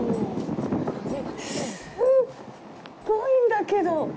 すっごいんだけど。